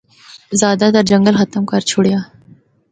زیادہ تر جنگل ختم کر چُھڑیا۔